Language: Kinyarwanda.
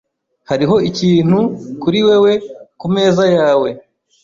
Hariho ikintu kuri wewe kumeza yawe.